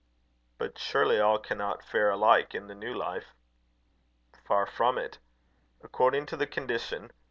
"But surely all cannot fare alike in the new life." "Far from it. According to the condition.